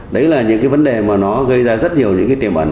đấy là những cái vấn đề mà nó gây ra rất nhiều những cái tiềm ẩn